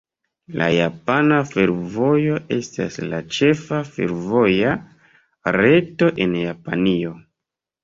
La Japana Fervojo estas la ĉefa fervoja reto en Japanio.